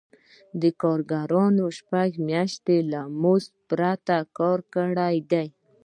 دا کارګرانو شپږ میاشتې له مزد پرته کار کړی دی